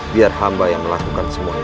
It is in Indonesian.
biar hamba yang melakukan semua itu